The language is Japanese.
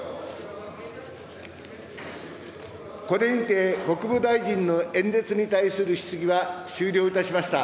これにて国務大臣の演説に対する質疑は終了いたしました。